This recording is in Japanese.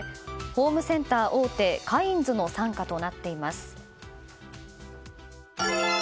ホームセンター大手カインズの傘下となっています。